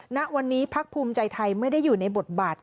ณวันนี้พักภูมิใจไทยไม่ได้อยู่ในบทบาท